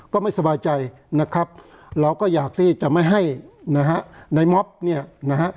ก็ไม่สบายใจนะครับเราก็อยากที่จะไม่ให้นะฮะในม็อบเนี่ยนะฮะ